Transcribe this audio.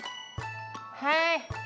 はい。